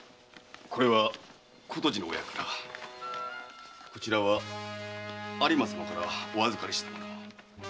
これは琴路の親からこちらは有馬様からお預かりしたもの。